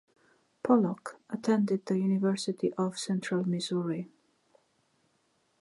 Pollock attended the University of Central Missouri.